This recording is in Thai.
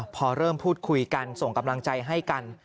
พอเริ่มพูดคุยกันส่งกำลังใจให้กัน